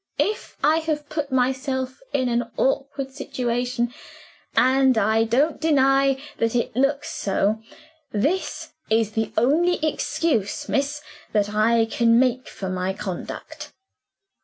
If I have put myself in an awkward situation (and I don't deny that it looks so) this is the only excuse, miss, that I can make for my conduct."